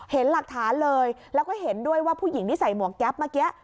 เห็นหลักฐานเลยแล้วก็เห็นด้วยว่าผู้หญิงที่ใส่หมวกแก๊ปเมื่อกี้